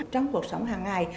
trong cuộc sống hàng ngày